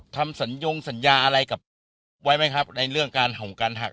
สัญญงสัญญาอะไรกับไว้ไหมครับในเรื่องการเห่าการหัก